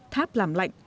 tháp làm lạnh